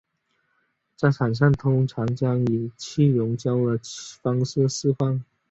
战场上通常将其以气溶胶的方式施放。